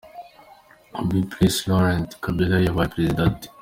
b.Pres Laurent Kabila yabaye President ate?